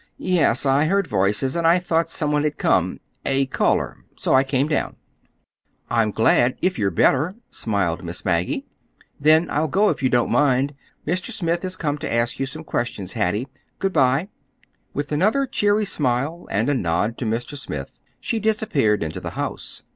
"Yes, I heard voices, and I thought some one had come—a caller. So I came down." "I'm glad—if you're better," smiled Miss Maggie. "Then I'll go, if you don't mind. Mr. Smith has come to ask you some questions, Hattie. Good bye!" With another cheery smile and a nod to Mr. Smith, she disappeared into the house.